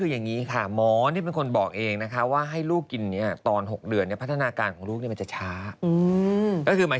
สุดท้ายที่สุดท้ายที่สุดท้ายที่สุดท้ายที่สุดท้ายที่สุดท้ายที่สุดท้ายที่สุดท้ายที่สุดท้ายที่สุด